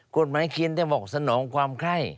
กฎหมายเขียนแต่บอกสนองความไข้